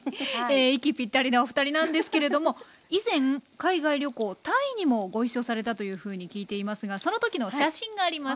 息ぴったりのおふたりなんですけれども以前海外旅行タイにもご一緒されたというふうに聞いていますがその時の写真があります。